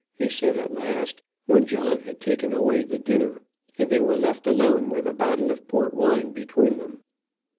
he said at last, when John had taken away the dinner, and they were left alone with a bottle of port wine between them.